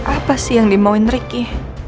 apa sih yang dimauin ricky